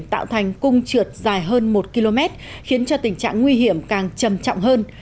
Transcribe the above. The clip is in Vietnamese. tạo thành cung trượt dài hơn một km khiến cho tình trạng nguy hiểm càng trầm trọng hơn